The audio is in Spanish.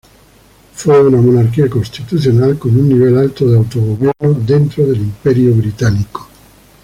Fue una monarquía constitucional con un nivel alto de autogobierno dentro del Imperio británico.